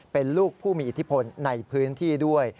เป็นลูกผู้มีอิทธิพลในพื้นที่ด้วย